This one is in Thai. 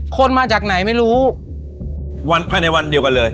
คนมาจากไหนไม่รู้วันภายในวันเดียวกันเลย